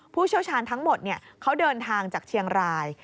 ผู้เชี่ยวชาญทั้งหมดเขาเดินทางจากเชียงราย